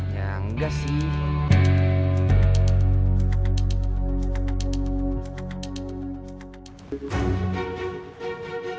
ya enggak sih